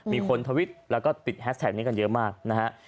มีคนทวิชแล้วก็ติดก็เยอะมากนะฮะ